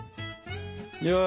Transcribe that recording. よし！